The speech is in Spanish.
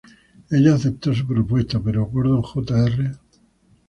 Ella aceptó su propuesta, pero Gordon Jr.